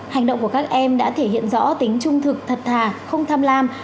hành động của các em đã thể hiện rõ tính trung thực thật thà không tham lam